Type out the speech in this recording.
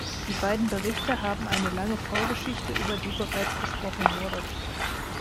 Die beiden Berichte haben eine lange Vorgeschichte, über die bereits gesprochen wurde.